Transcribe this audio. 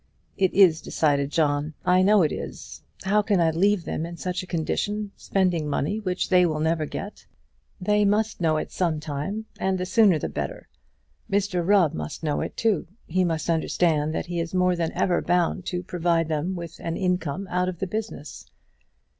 "It is decided, John; I know it is. And how can I leave them in such a condition, spending money which they will never get? They must know it some time, and the sooner the better. Mr Rubb must know it too. He must understand that he is more than ever bound to provide them with an income out of the business."